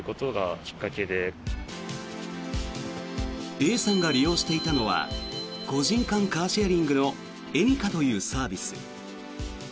Ａさんが利用していたのは個人間カーシェアリングのエニカというサービス。